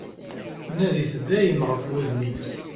Nadit dayem ɣef wudem-is!